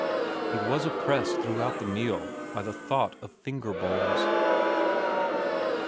He was oppressed throughout the meal by the thought of finger bowls.